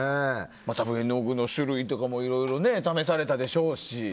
絵の具の種類とかもいろいろ試されたでしょうし。